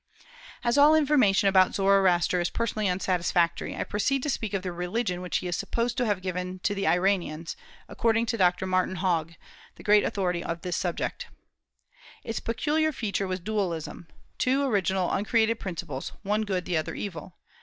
As all information about Zoroaster personally is unsatisfactory, I proceed to speak of the religion which he is supposed to have given to the Iranians, according to Dr. Martin Haug, the great authority on this subject. Its peculiar feature was dualism, two original uncreated principles; one good, the other evil.